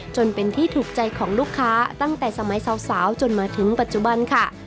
จนเป็นที่ถูกใจของลูกค้าตั้งแต่สมัยสาวจนมาถึงปัจจุบันค่ะ